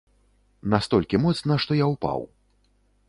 Настолькі моцна, што я ўпаў.